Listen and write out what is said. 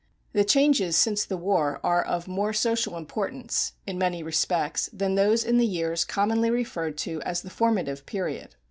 The changes since the war are of more social importance, in many respects, than those in the years commonly referred to as the formative period.